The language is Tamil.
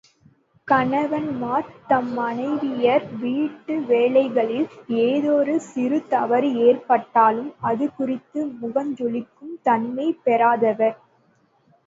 கணவன்மார் தம் மனைவியர் வீட்டு வேலைகளில் யாதொரு சிறு தவறு ஏற்பட்டாலும், அது குறித்து முகஞ்சுளிக்கும் தன்மை பெறாதவர்.